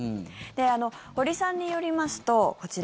堀さんによりますと、こちら。